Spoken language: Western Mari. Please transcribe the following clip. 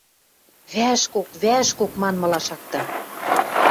«Вӓшкок, вӓшкок!» — манмыла шакта.